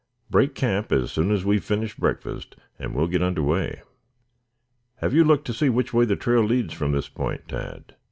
"Break camp as soon as we have finished breakfast and we will get under way. Have you looked to see which way the trail leads from this point, Tad?"